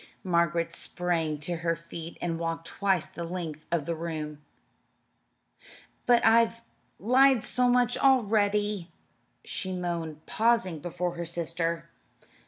Margaret sprang to her feet and walked twice the length of the room. "But I've lied so much already!" she moaned, pausing before her sister.